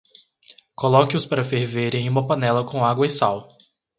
Coloque-os para ferver em uma panela com água e sal.